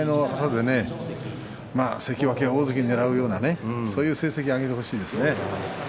関脇や大関をねらうような成績を挙げてほしいですね。